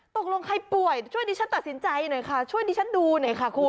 ตกลงใครป่วยช่วยดิฉันตัดสินใจหน่อยค่ะช่วยดิฉันดูหน่อยค่ะคุณ